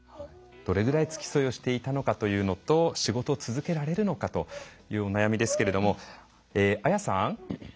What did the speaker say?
どれぐらい付き添いをしていたのかというのと仕事を続けられるのかというお悩みですけれども綾さん。